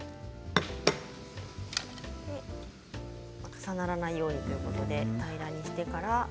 重ならないようにということで平らにしてから。